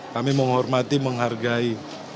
kami menghormati menghargai